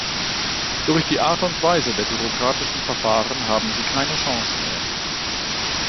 Durch die Art und Weise der bürokratischen Verfahren haben sie keine Chance mehr.